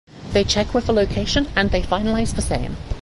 They check with the location and they finalise the same.